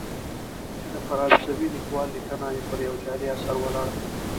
چې د فرانسوي لیکوال لیکنه پر یوه جعلي اثر ولاړه ده.